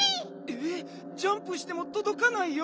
えっジャンプしてもとどかないよ。